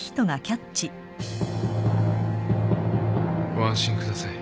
ご安心ください。